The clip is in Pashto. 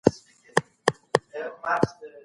احمد کتاب واخیستی او په بکس کي یې کښېښودی.